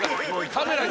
カメラに。